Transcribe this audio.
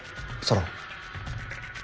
ソロン。